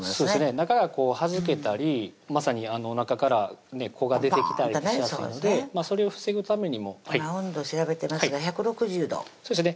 中がはじけたりまさにおなかから子が出てきたりしやすいのでそれを防ぐためにも今温度調べてますが１６０度そうですね